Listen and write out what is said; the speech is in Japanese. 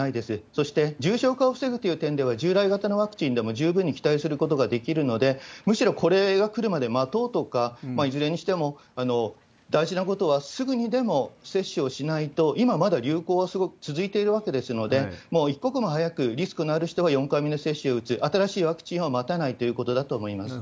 そして重症化を防ぐという点では、従来型のワクチンでも十分に期待することができるので、むしろこれが来るまで待とうとか、いずれにしても大事なことは、すぐにでも接種をしないと、今まだ流行は続いているわけですので、もう一刻も早く、リスクのある人は４回目の接種を打つ、新しいワクチンは待たないということだと思います。